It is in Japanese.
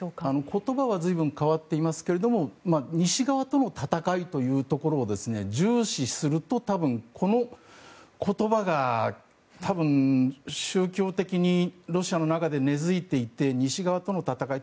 言葉は随分変わっていますが西側との戦いというところを重視すると多分この言葉が宗教的にロシアの中で根付いていて西側との戦い